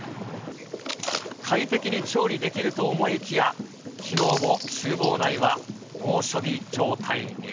快適に調理できると思いきや、きのうもちゅう房内は猛暑日状態に。